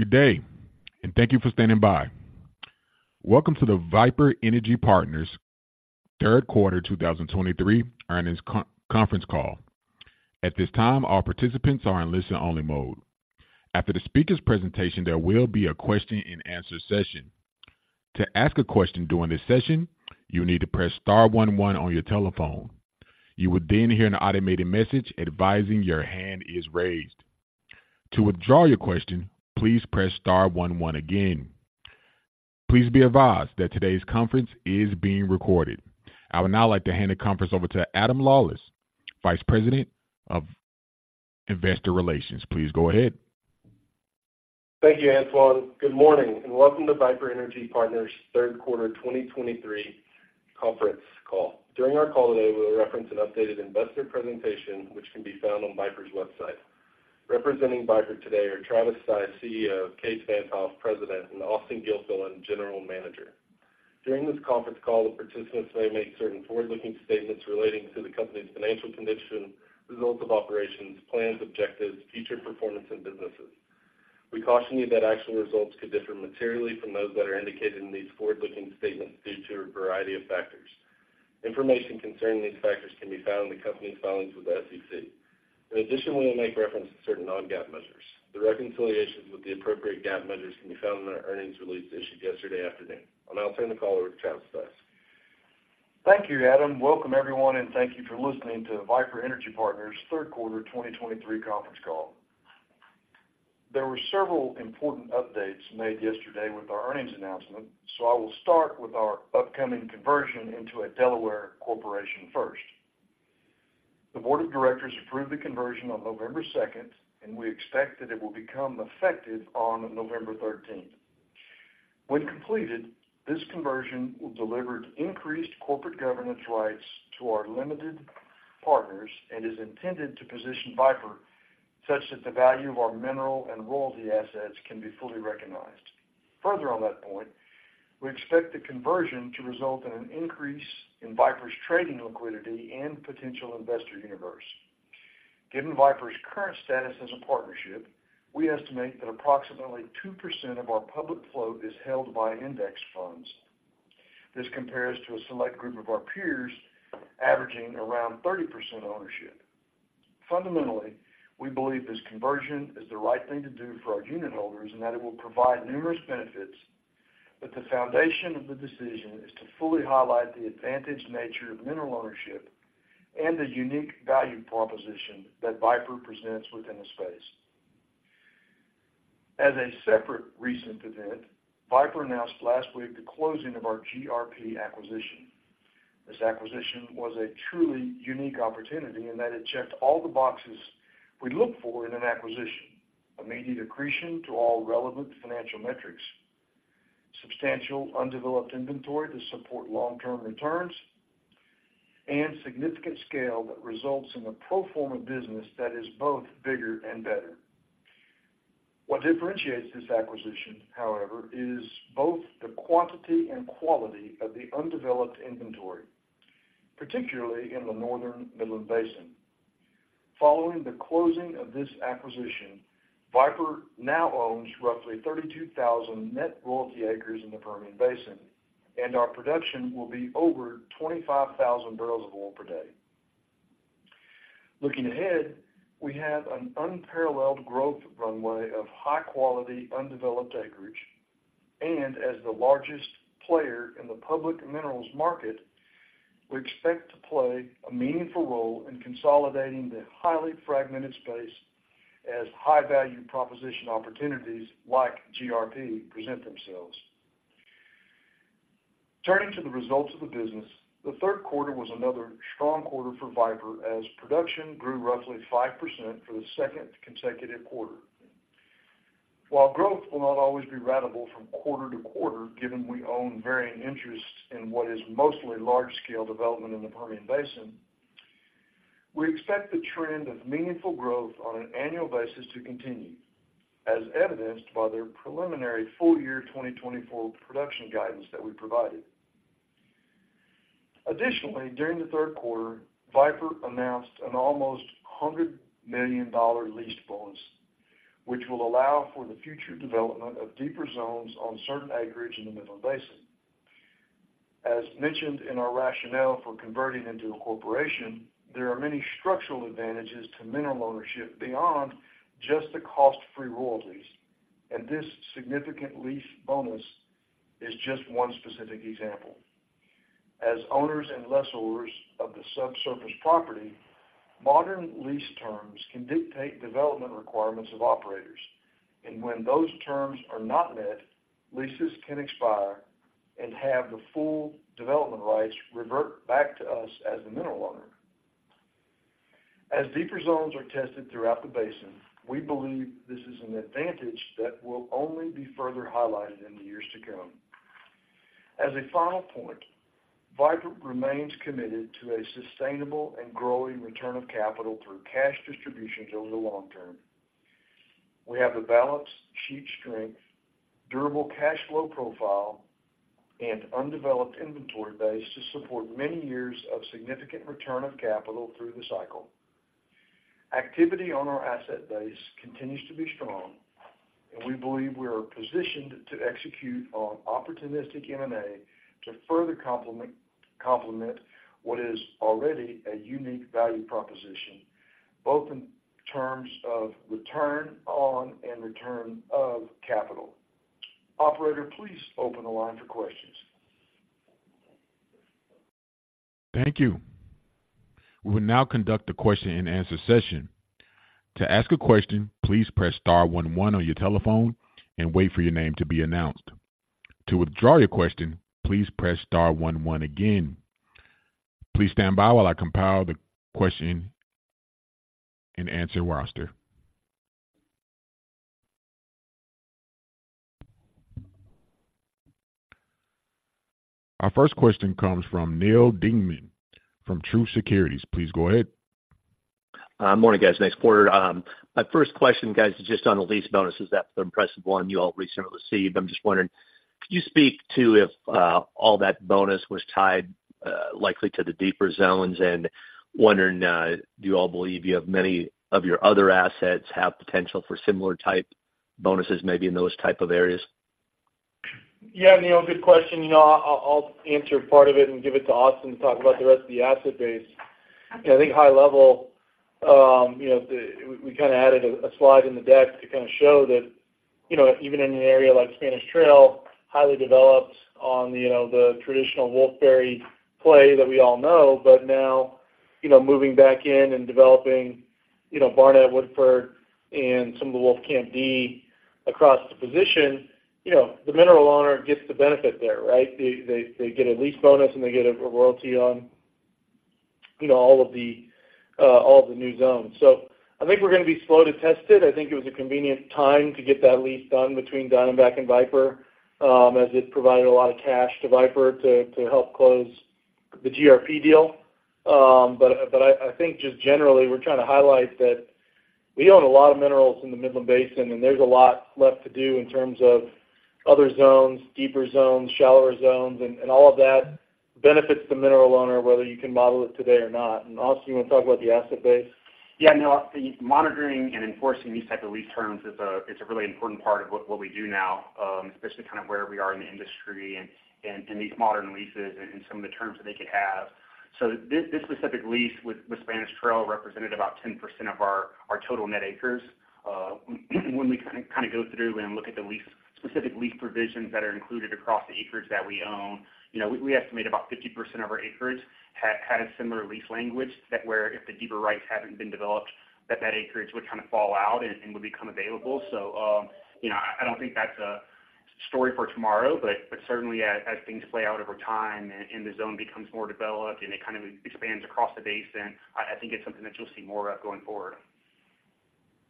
.Welcome to the Viper Energy Partners third quarter 2023 earnings conference call. At this time, all participants are in listen-only mode. After the speaker's presentation, there will be a question-and-answer session. To ask a question during this session, you need to press star one one on your telephone. You will then hear an automated message advising your hand is raised. To withdraw your question, please press star one one again. Please be advised that today's conference is being recorded. I would now like to hand the conference over to Adam Lawlis, Vice President of Investor Relations. Please go ahead. Thank you, Antoine. Good morning, and welcome to Viper Energy Partners' third quarter 2023 conference call. During our call today, we'll reference an updated investor presentation, which can be found on Viper's website. Representing Viper today are Travis Stice, CEO, Kaes Van't Hof, President, and Austen Gilfillian, General Manager. During this conference call, the participants may make certain forward-looking statements relating to the company's financial condition, results of operations, plans, objectives, future performance, and businesses. We caution you that actual results could differ materially from those that are indicated in these forward-looking statements due to a variety of factors. Information concerning these factors can be found in the company's filings with the SEC. In addition, we will make reference to certain non-GAAP measures. The reconciliations with the appropriate GAAP measures can be found in our earnings release issued yesterday afternoon. I'll now turn the call over to Travis Stice. Thank you, Adam. Welcome, everyone, and thank you for listening to Viper Energy Partners' third quarter 2023 conference call. There were several important updates made yesterday with our earnings announcement, so I will start with our upcoming conversion into a Delaware corporation first. The board of directors approved the conversion on November 2, and we expect that it will become effective on November 13. When completed, this conversion will deliver increased corporate governance rights to our limited partners and is intended to position Viper such that the value of our mineral and royalty assets can be fully recognized. Further on that point, we expect the conversion to result in an increase in Viper's trading liquidity and potential investor universe. Given Viper's current status as a partnership, we estimate that approximately 2% of our public float is held by index funds. This compares to a select group of our peers averaging around 30% ownership. Fundamentally, we believe this conversion is the right thing to do for our unit holders and that it will provide numerous benefits, but the foundation of the decision is to fully highlight the advantaged nature of mineral ownership and the unique value proposition that Viper presents within the space. As a separate recent event, Viper announced last week the closing of our GRP acquisition. This acquisition was a truly unique opportunity in that it checked all the boxes we look for in an acquisition: immediate accretion to all relevant financial metrics, substantial undeveloped inventory to support long-term returns, and significant scale that results in a pro forma business that is both bigger and better. What differentiates this acquisition, however, is both the quantity and quality of the undeveloped inventory, particularly in the Northern Midland Basin. Following the closing of this acquisition, Viper now owns roughly 32,000 net royalty acres in the Permian Basin, and our production will be over 25,000 barrels of oil per day. Looking ahead, we have an unparalleled growth runway of high-quality, undeveloped acreage, and as the largest player in the public minerals market, we expect to play a meaningful role in consolidating the highly fragmented space as high-value proposition opportunities like GRP present themselves. Turning to the results of the business, the third quarter was another strong quarter for Viper as production grew roughly 5% for the second consecutive quarter. While growth will not always be ratable from quarter-to-quarter, given we own varying interests in what is mostly large-scale development in the Permian Basin, we expect the trend of meaningful growth on an annual basis to continue, as evidenced by the preliminary full-year 2024 production guidance that we provided. Additionally, during the third quarter, Viper announced an almost $100 million lease bonus, which will allow for the future development of deeper zones on certain acreage in the Midland Basin. As mentioned in our rationale for converting into a corporation, there are many structural advantages to mineral ownership beyond just the cost-free royalties, and this significant lease bonus is just one specific example. As owners and lessors of the subsurface property, modern lease terms can dictate development requirements of operators, and when those terms are not met, leases can expire and have the full development rights revert back to us as the mineral owner. As deeper zones are tested throughout the basin, we believe this is an advantage that will only be further highlighted in the years to come. As a final point, Viper remains committed to a sustainable and growing return of capital through cash distributions over the long term. We have the balance sheet strength- durable cash flow profile and undeveloped inventory base to support many years of significant return of capital through the cycle. Activity on our asset base continues to be strong, and we believe we are positioned to execute on opportunistic M&A to further complement, complement what is already a unique value proposition, both in terms of return on and return of capital. Operator, please open the line for questions. Thank you. We will now conduct a question-and-answer session. To ask a question, please press star one one on your telephone and wait for your name to be announced. To withdraw your question, please press star one one again. Please stand by while I compile the question-and-answer roster. Our first question comes from Neal Dingmann from Truist Securities. Please go ahead. Morning, guys. Nice quarter. My first question, guys, is just on the lease bonuses, that's the impressive one you all recently received. I'm just wondering, could you speak to if all that bonus was tied likely to the deeper zones? And wondering, do you all believe you have many of your other assets have potential for similar type bonuses, maybe in those type of areas? Yeah, Neal, good question. You know, I'll, I'll answer part of it and give it to Austen to talk about the rest of the asset base. I think high level, you know, we kind of added a slide in the deck to kind of show that, you know, even in an area like Spanish Trail, highly developed on, you know, the traditional Wolfberry play that we all know, but now, you know, moving back in and developing, you know, Barnett, Woodford and some of the Wolfcamp D across the position, you know, the mineral owner gets the benefit there, right? They get a lease bonus, and they get a royalty on, you know, all of the all the new zones. So I think we're going to be slow to test it. I think it was a convenient time to get that lease done between Diamondback and Viper, as it provided a lot of cash to Viper to help close the GRP deal. But I think just generally, we're trying to highlight that we own a lot of minerals in the Midland Basin, and there's a lot left to do in terms of other zones, deeper zones, shallower zones, and all of that benefits the mineral owner, whether you can model it today or not. And Austin, you want to talk about the asset base? Yeah, no, the monitoring and enforcing these type of lease terms is a really important part of what we do now, especially kind of where we are in the industry and these modern leases and some of the terms that they could have. So this specific lease with Spanish Trail represented about 10% of our total net acres. When we kind of go through and look at the lease specific lease provisions that are included across the acres that we own, you know, we estimate about 50% of our acres had a similar lease language that where if the deeper rights hadn't been developed, that acreage would kind of fall out and would become available. So, you know, I don't think that's a story for tomorrow, but certainly as things play out over time and the zone becomes more developed and it kind of expands across the basin, I think it's something that you'll see more of going forward.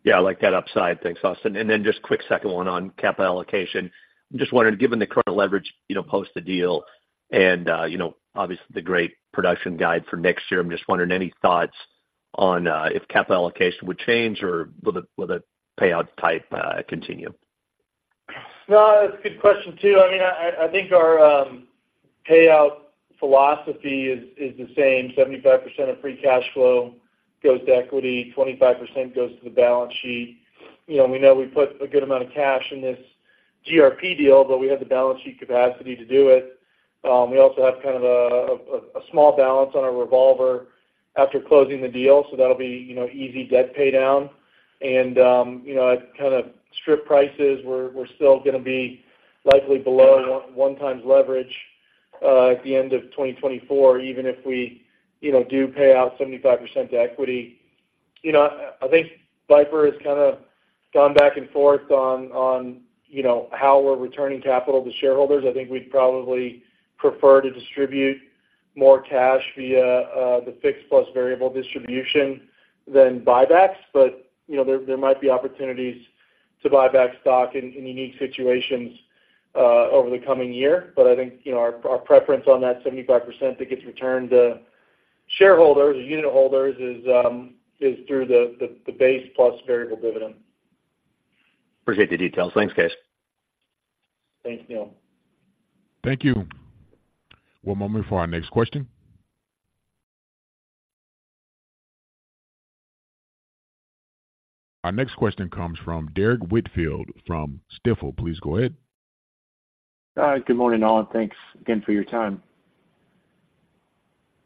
Yeah, I like that upside. Thanks, Austen. And then just quick second one on capital allocation. Just wondering, given the current leverage, you know, post the deal and, you know, obviously the great production guide for next year, I'm just wondering, any thoughts on, if capital allocation would change or will the payout type continue? No, that's a good question, too. I mean, I think our payout philosophy is the same. 75% of free cash flow goes to equity, 25% goes to the balance sheet. You know, we put a good amount of cash in this GRP deal, but we have the balance sheet capacity to do it. We also have kind of a small balance on our revolver after closing the deal, so that'll be, you know, easy debt paydown. And, you know, at kind of strip prices, we're still gonna be likely below 1x leverage at the end of 2024, even if we, you know, do pay out 75% to equity. You know, I think Viper has kind of gone back and forth on, you know, how we're returning capital to shareholders. I think we'd probably prefer to distribute more cash via the fixed plus variable distribution than buybacks, but, you know, there, there might be opportunities to buy back stock in, in unique situations over the coming year. But I think, you know, our, our preference on that 75% that gets returned to shareholders or unit holders is through the, the, the base plus variable dividend. Appreciate the details. Thanks, guys. Thanks, Neal. Thank you. One moment for our next question. Our next question comes from Derrick Whitfield, from Stifel. Please go ahead. Good morning, all, and thanks again for your time.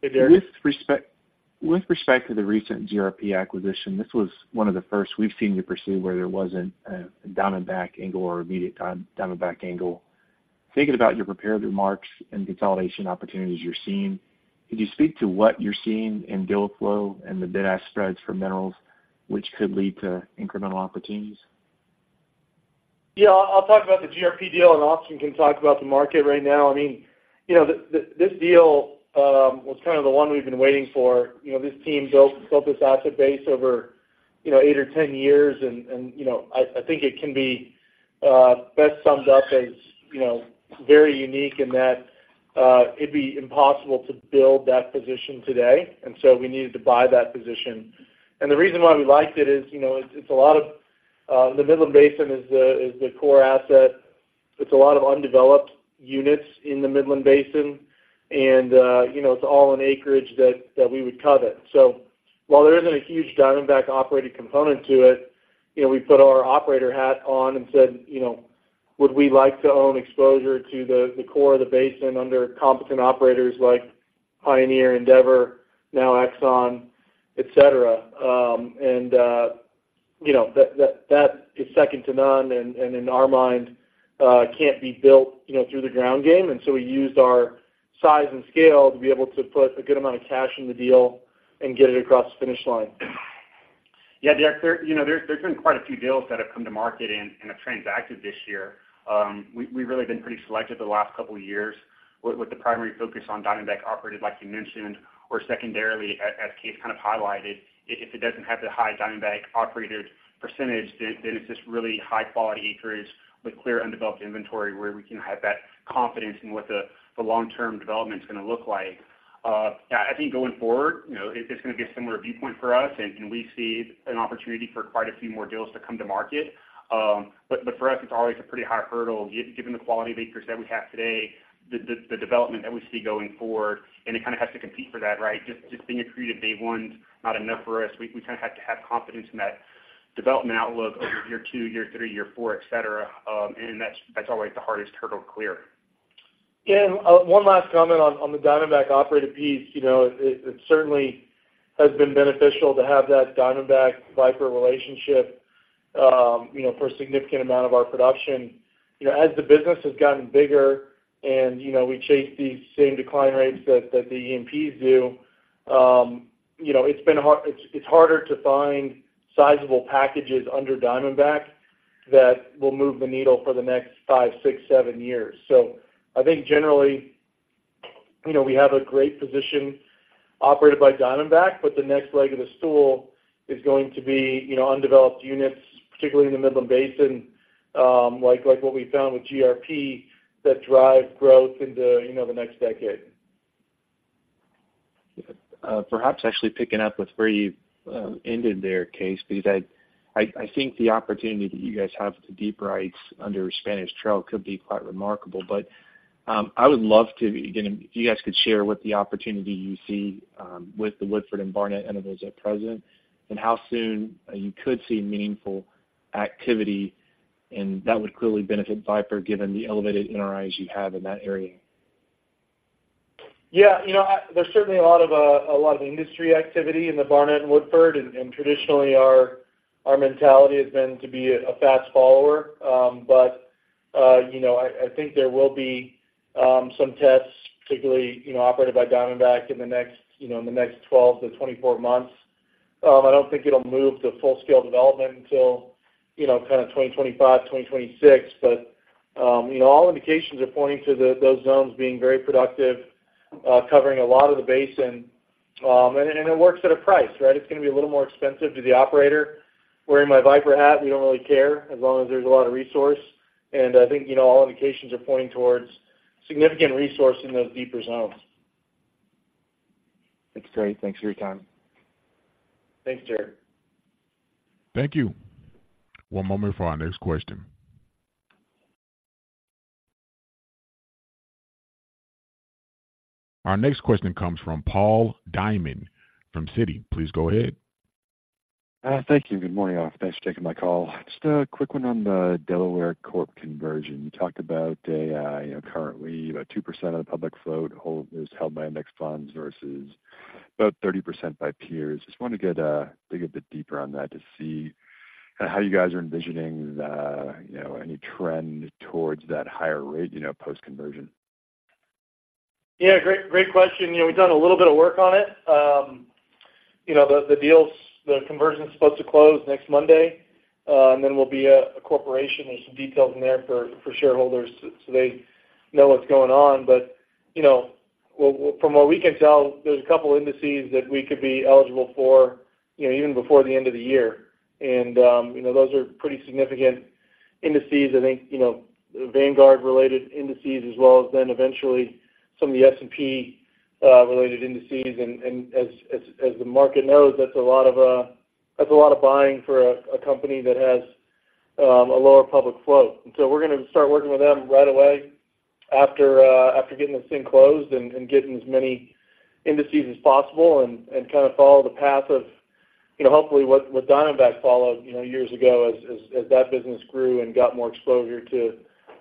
Hey, Derrick. With respect to the recent GRP acquisition, this was one of the first we've seen you pursue where there wasn't a Diamondback angle. Thinking about your prepared remarks and consolidation opportunities you're seeing, could you speak to what you're seeing in deal flow and the bid-ask spreads for minerals, which could lead to incremental opportunities? Yeah, I'll talk about the GRP deal, and Austin can talk about the market right now. I mean, you know, the, this deal was kind of the one we've been waiting for. You know, this team built, built this asset base over, you know, eight or 10 years, and, and, you know, I, I think it can be best summed up as, you know, very unique in that it'd be impossible to build that position today, and so we needed to buy that position. And the reason why we liked it is, you know, it's, it's a lot of, the Midland Basin is the, is the core asset. It's a lot of undeveloped units in the Midland Basin, and, you know, it's all in acreage that, that we would covet. So while there isn't a huge Diamondback operated component to it, you know, we put our operator hat on and said, you know, "Would we like to own exposure to the core of the basin under competent operators like Pioneer, Endeavor, now Exxon, et cetera?" And you know, that is second to none, and in our mind, can't be built, you know, through the ground game. And so we used our size and scale to be able to put a good amount of cash in the deal and get it across the finish line. Yeah, Derrick, you know, there's been quite a few deals that have come to market and have transacted this year. We, we've really been pretty selective the last couple of years with the primary focus on Diamondback operated, like you mentioned, or secondarily, as Kaes kind of highlighted, if it doesn't have the high Diamondback operated percentage, then it's just really high-quality acreage with clear undeveloped inventory, where we can have that confidence in what the long-term development's gonna look like. I think going forward, you know, it's gonna be a similar viewpoint for us, and we see an opportunity for quite a few more deals to come to market. But for us, it's always a pretty high hurdle, given the quality of acres that we have today, the development that we see going forward, and it kind of has to compete for that, right? Just being accretive day one is not enough for us. We kind of have to have confidence in that development outlook over year 2, year 3, year 4, et cetera. And that's always the hardest hurdle to clear. Yeah, one last comment on the Diamondback operated piece. You know, it certainly has been beneficial to have that Diamondback Viper relationship, you know, for a significant amount of our production. You know, as the business has gotten bigger and, you know, we chase these same decline rates that the E&Ps do, you know, it's harder to find sizable packages under Diamondback that will move the needle for the next five, six, seven years. So I think generally, you know, we have a great position operated by Diamondback, but the next leg of the stool is going to be, you know, undeveloped units, particularly in the Midland Basin, like what we found with GRP, that drive growth into, you know, the next decade. Perhaps actually picking up with where you ended there, Case, because I think the opportunity that you guys have with the deep rights under Spanish Trail could be quite remarkable. But, I would love to, again, if you guys could share what the opportunity you see with the Woodford and Barnett intervals at present, and how soon you could see meaningful activity, and that would clearly benefit Viper, given the elevated NRIs you have in that area. Yeah, you know, there's certainly a lot of industry activity in the Barnett and Woodford, and traditionally, our mentality has been to be a fast follower. But, you know, I think there will be some tests, particularly, you know, operated by Diamondback in the next 12-24 months. I don't think it'll move to full-scale development until, you know, kind of 2025, 2026. But, you know, all indications are pointing to those zones being very productive, covering a lot of the basin. And it works at a price, right? It's gonna be a little more expensive to the operator. Wearing my Viper hat, we don't really care, as long as there's a lot of resource. I think, you know, all indications are pointing towards significant resource in those deeper zones. That's great. Thanks for your time. Thanks, Jared. Thank you. One moment for our next question. Our next question comes from Paul Diamond from Citi. Please go ahead. Thank you. Good morning, all. Thanks for taking my call. Just a quick one on the Delaware Corp conversion. You talked about a, you know, currently, about 2% of the public float is held by index funds versus about 30% by peers. Just wanted to get, dig a bit deeper on that to see kind of how you guys are envisioning the, you know, any trend towards that higher rate, you know, post-conversion? Yeah, great, great question. You know, we've done a little bit of work on it. You know, the deals, the conversion's supposed to close next Monday, and then we'll be a corporation. There's some details in there for shareholders, so they know what's going on. But, you know, well, from what we can tell, there's a couple indices that we could be eligible for, you know, even before the end of the year. And, you know, those are pretty significant indices. I think, you know, the Vanguard-related indices, as well as then eventually some of the S&P related indices. And, as the market knows, that's a lot of, that's a lot of buying for a company that has a lower public float. So we're gonna start working with them right away after getting this thing closed and get in as many indices as possible and kind of follow the path of, you know, hopefully, what Diamondback followed, you know, years ago as that business grew and got more exposure to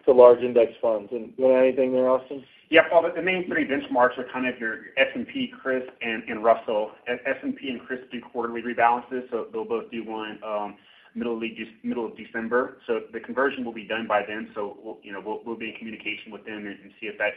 large index funds. And you want to add anything there, Austin? Yeah, Paul, the main three benchmarks are kind of your S&P, CRSP, and Russell. S&P and CRSP do quarterly rebalances, so they'll both do one middle of December. So the conversion will be done by then. So we'll, you know, we'll be in communication with them and see if that's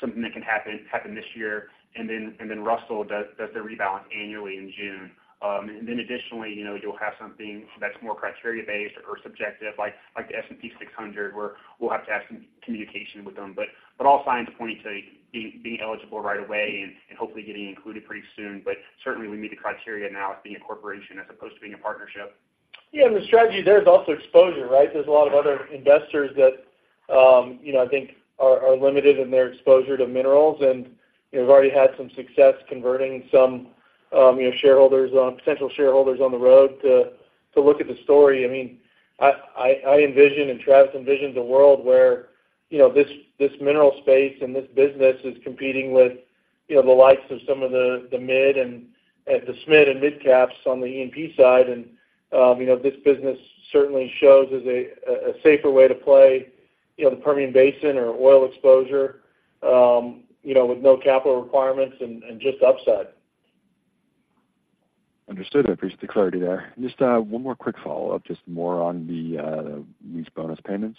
something that can happen this year. And then Russell does the rebalance annually in June. And then additionally, you know, you'll have something that's more criteria-based or subjective, like the S&P 600, where we'll have to have some communication with them. But all signs are pointing to being eligible right away and hopefully getting included pretty soon. But certainly, we meet the criteria now as being a corporation as opposed to being a partnership.... Yeah, and the strategy there is also exposure, right? There's a lot of other investors that, you know, I think are limited in their exposure to minerals, and we've already had some success converting some, you know, shareholders on, potential shareholders on the road to look at the story. I mean, I envision, and Travis envisions a world where, you know, this mineral space and this business is competing with, you know, the likes of some of the SMID and midcaps on the E&P side. And, you know, this business certainly shows as a safer way to play, you know, the Permian Basin or oil exposure, you know, with no capital requirements and just upside. Understood. I appreciate the clarity there. Just one more quick follow-up, just more on the lease bonus payments.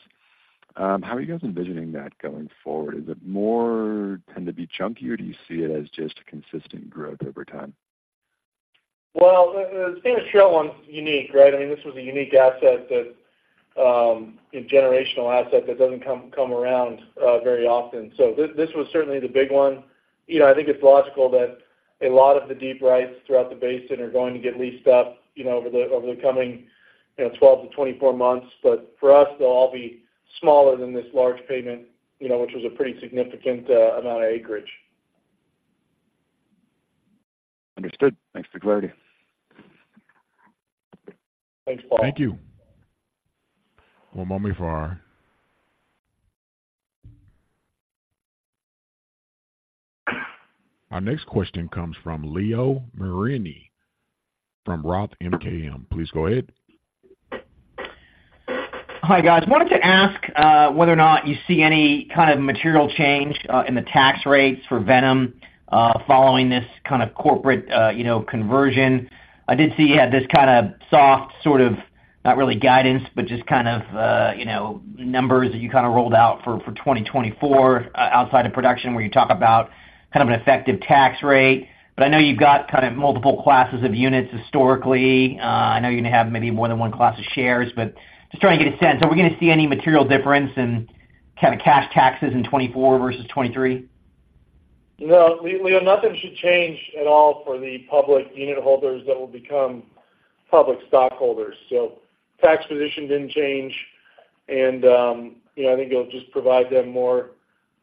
How are you guys envisioning that going forward? Is it more tend to be chunky, or do you see it as just a consistent growth over time? Well, the Spanish Trail one's unique, right? I mean, this was a unique asset that a generational asset that doesn't come around very often. So this was certainly the big one. You know, I think it's logical that a lot of the deep rights throughout the basin are going to get leased up, you know, over the coming 12-24 months. But for us, they'll all be smaller than this large payment, you know, which was a pretty significant amount of acreage. Understood. Thanks for the clarity. Thanks, Paul. Thank you. One moment more. Our next question comes from Leo Mariani, from Roth MKM. Please go ahead. Hi, guys. Wanted to ask whether or not you see any kind of material change in the tax rates for VNOM following this kind of corporate, you know, conversion. I did see you had this kind of soft, sort of, not really guidance, but just kind of, you know, numbers that you kind of rolled out for 2024 outside of production, where you talk about kind of an effective tax rate. But I know you've got kind of multiple classes of units historically. I know you're gonna have maybe more than one class of shares, but just trying to get a sense, are we gonna see any material difference in kind of cash taxes in 2024 versus 2023? No, Leo, nothing should change at all for the public unitholders that will become public stockholders. So tax position didn't change, and, you know, I think it'll just provide them more,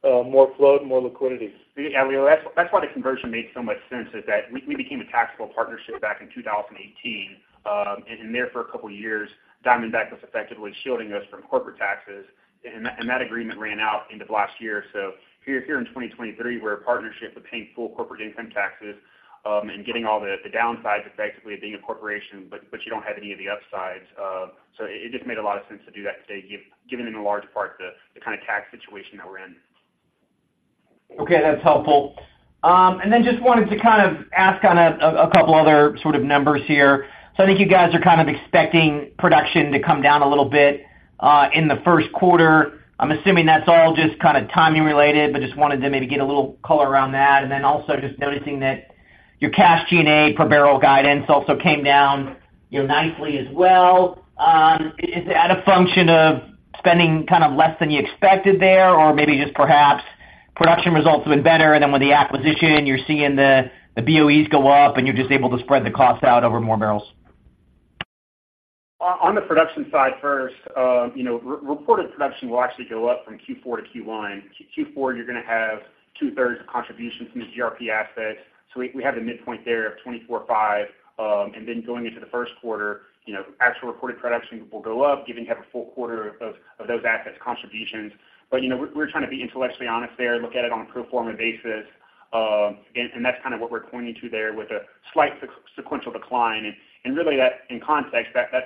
more flow and more liquidity. Yeah, Leo, that's, that's why the conversion made so much sense, is that we, we became a taxable partnership back in 2018. And in there for a couple of years, Diamondback was effectively shielding us from corporate taxes, and that, and that agreement ran out end of last year. So here, here in 2023, we're a partnership of paying full corporate income taxes, and getting all the, the downsides, effectively, of being a corporation, but, but you don't have any of the upsides. So it, it just made a lot of sense to do that today, given in large part the, the kind of tax situation that we're in. Okay, that's helpful. And then just wanted to kind of ask on a couple other sort of numbers here. So I think you guys are kind of expecting production to come down a little bit in the first quarter. I'm assuming that's all just kind of timing related, but just wanted to maybe get a little color around that. And then also just noticing that your cash G&A per barrel guidance also came down, you know, nicely as well. Is that a function of spending kind of less than you expected there? Or maybe just perhaps production results have been better, and then with the acquisition, you're seeing the BOEs go up, and you're just able to spread the costs out over more barrels? On the production side first, you know, reported production will actually go up from Q4 to Q1. Q4, you're gonna have two-thirds of contributions from the GRP assets. So we have the midpoint there of 24.5. And then going into the first quarter, you know, actual reported production will go up, given you have a full quarter of those assets contributions. But, you know, we're trying to be intellectually honest there and look at it on a pro forma basis. And that's kind of what we're pointing to there with a slight sequential decline. And really, that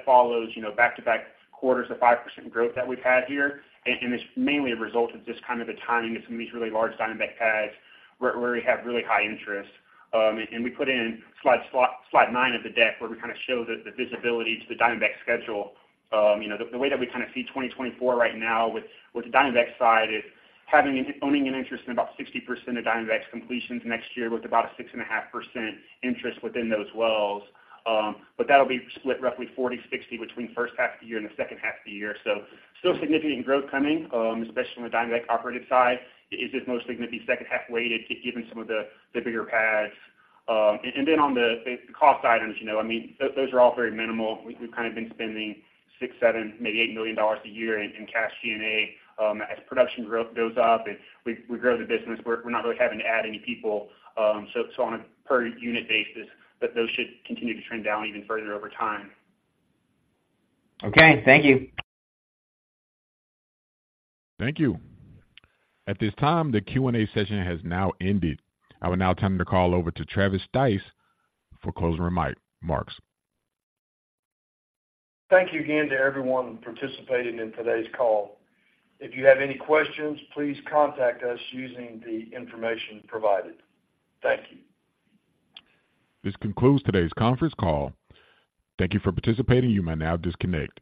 follows, you know, back-to-back quarters of 5% growth that we've had here. And it's mainly a result of just kind of the timing of some of these really large Diamondback pads where we have really high interest. And we put in slide nine of the deck, where we kind of show the visibility to the Diamondback schedule. You know, the way that we kind of see 2024 right now with the Diamondback side is having and owning an interest in about 60% of Diamondback's completions next year, with about a 6.5% interest within those wells. But that'll be split roughly 40/60 between first half of the year and the second half of the year. So still significant growth coming, especially on the Diamondback operated side. It's just most significant second half weighted, given some of the bigger pads. And then on the cost items, you know, I mean, those are all very minimal. We've kind of been spending $6, $7, maybe $8 million a year in cash GNA. As production growth goes up, it's we grow the business. We're not really having to add any people. So on a per unit basis, those should continue to trend down even further over time. Okay, thank you. Thank you. At this time, the Q&A session has now ended. I will now turn the call over to Travis Stice for closing remarks. Thank you again to everyone who participated in today's call. If you have any questions, please contact us using the information provided. Thank you. This concludes today's conference call. Thank you for participating. You may now disconnect.